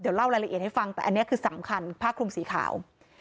เดี๋ยวเล่ารายละเอียดให้ฟังแต่อันนี้คือสำคัญผ้าคลุมสีขาว